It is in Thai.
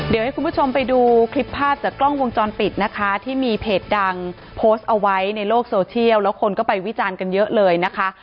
เดี๋ยวให้คุณผู้ชมไปดูคลิปภาพจากกล้องวงจรปิดนะคะที่มีเพจดังโพสต์เอาไว้ในโลกโซเชียลแล้วคนก็ไปวิจารณ์กันเยอะเลยนะคะ